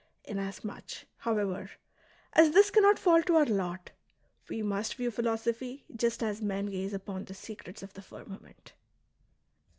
Inasmuch, however, as this cannot fall to our lot, we must view philosophy just as men gaze upon the secrets of the firmament.